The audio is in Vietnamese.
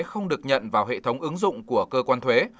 không được nhận vào hệ thống ứng dụng của cơ quan thuế